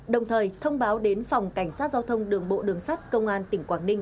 đồng thời thông báo đến phòng cảnh sát giao thông đường bộ đường sắt công an tỉnh quảng ninh